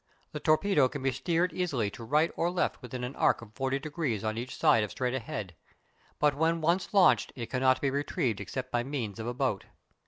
The torpedo can be steered easily to right or left within an arc of forty degrees on each side of straight ahead; but when once launched it cannot be retrieved except by means of a boat.